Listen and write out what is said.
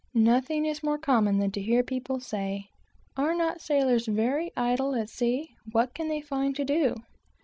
Nothing is more common than to hear people say "Are not sailors very idle at sea? what can they find to do?"